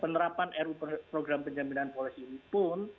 penerapan ru program penjaminan polisi ini pun